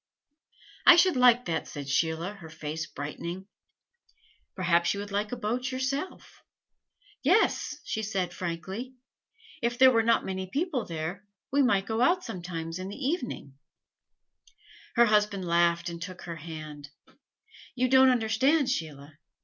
"I should like that," said Sheila, her face brightening. "Perhaps you would like a boat yourself?" "Yes," she said, frankly. "If there were not many people there, we might go out sometimes in the evening " Her husband laughed and took her hand: "You don't understand, Sheila.